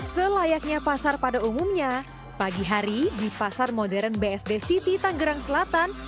selayaknya pasar pada umumnya pagi hari di pasar modern bsd city tanggerang selatan